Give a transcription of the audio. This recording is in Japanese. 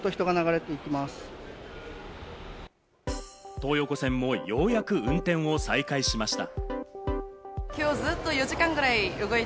東横線もようやく運転を再開しました。